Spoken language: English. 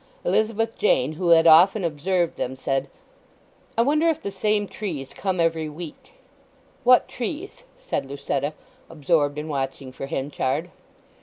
Elizabeth Jane, who had often observed them, said, "I wonder if the same trees come every week?" "What trees?" said Lucetta, absorbed in watching for Henchard.